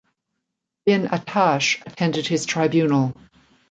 Bin Attash attended his Tribunal.